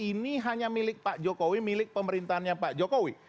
ini hanya milik pak jokowi milik pemerintahnya pak jokowi